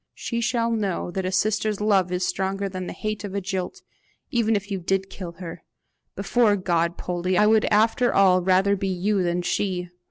She shall know that a sister's love is stronger than the hate of a jilt even if you did kill her. Before God, Poldie, I would after all rather be you than she.